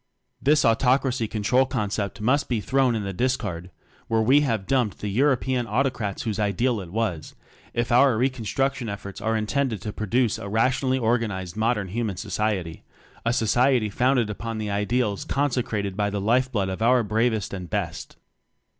This Autocracy "control" concept must be thrown in the discard where we have dumped the European auto crats whose ideal it was if our recon struction efforts are intended to pro duce a rationally organized Modern Human Society; a Society founded up on the Ideals consecrated by the life blood of our bravest and best.